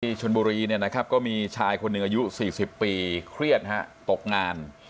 ที่ชนบุรีนะครับก็มีชายคนอายุ๔๐ปีเครียดฮะตกงาน